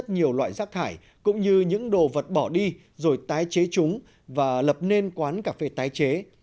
nhiều loại rác thải cũng như những đồ vật bỏ đi rồi tái chế chúng và lập nên quán cà phê tái chế